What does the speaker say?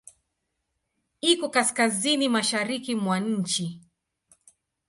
Iko kaskazini-mashariki mwa nchi.